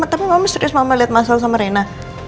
tapi mama serius mama liat masalah sama rina